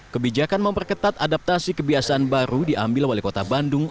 kebijakan memperketat adaptasi kebiasaan baru diambil oleh kota bandung